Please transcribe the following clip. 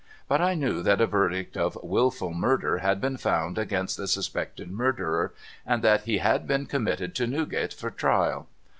But I knew^ that a verdict of Wilful Murder had been found against the suspected murderer, and that he had been committed to Newgate for trial.